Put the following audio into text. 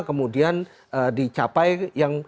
kemudian dicapai yang